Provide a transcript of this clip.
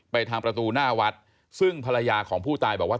ทางประตูหน้าวัดซึ่งภรรยาของผู้ตายบอกว่า